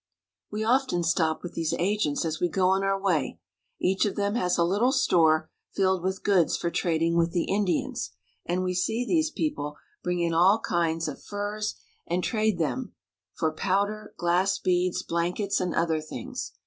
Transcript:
We often stop with these agents as we go on our way. Each of them has a little store filled with goods for trad ing with the Indians, and we see these people bring in all THE HUDSON BAY COMPANY. 311 kinds of furs and trade them for powder, glass beads, blankets, and other things.